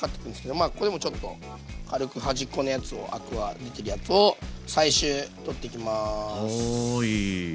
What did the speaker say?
ここでもちょっと軽く端っこのやつをアクは出てるやつを最終取っていきます。